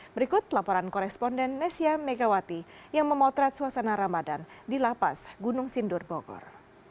berikut laporan koresponden nesya megawati yang memotret suasana ramadan di lapas gunung sindur bogor